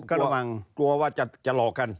กลัวว่าจะหลอกกัน